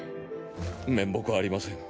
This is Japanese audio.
面目ありません。